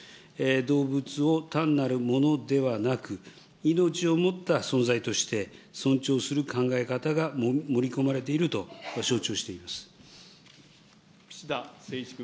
動物を単なる物ではなく、命を持った存在として尊重する考え方が盛り込まれていると承知を串田誠一君。